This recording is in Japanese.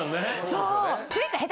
そう。